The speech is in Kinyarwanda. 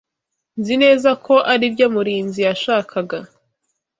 Nzi neza ko aribyo Murinzi yashakaga.